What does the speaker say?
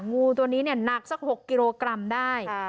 งูตัวนี้เนี่ยหนักสัก๖กิโลกรัมได้